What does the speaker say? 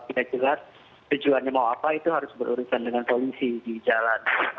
tidak jelas tujuannya mau apa itu harus berurusan dengan polisi di jalan